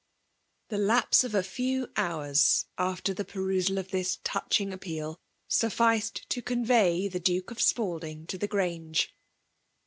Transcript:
The lapse of a few hours after the penval pf this touching appeal, sufficed to conrey the Duke of Spalding to the Grange.